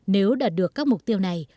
nếu đạt được các mục tiêu này